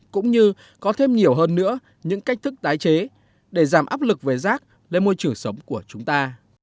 cũng như có thêm nhiều hơn nữa những cách thức tái chế để giảm áp lực về rác lên môi trường sống của chúng ta